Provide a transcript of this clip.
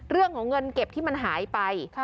เรื่องของเงินเก็บที่มันหายไป